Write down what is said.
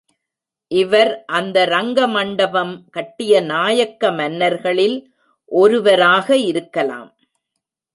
இவர் அந்த ரங்கமண்டபம் கட்டிய நாயக்க மன்னர்களில் ஒருவராக இருக்கலாம்.